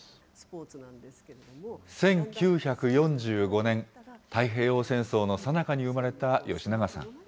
１９４５年、太平洋戦争のさなかに生まれた吉永さん。